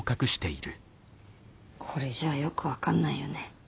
これじゃあよく分かんないよね。